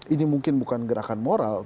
ini mungkin bukan gerakan moral